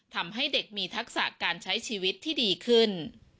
ทำให้เด็กมีทักษะการใช้ชีวิตที่ดีขึ้น